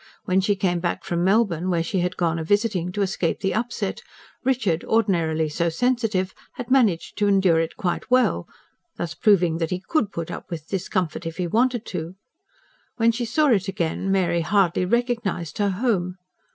When she came back from Melbourne, where she had gone a visiting to escape the upset Richard, ordinarily so sensitive, had managed to endure it quite well, thus proving that he COULD put up with discomfort if he wanted to when she saw it again, Mary hardly recognised her home.